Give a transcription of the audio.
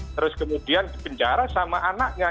terus kemudian ke penjara sama anaknya